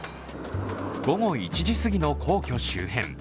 午後１時すぎの皇居周辺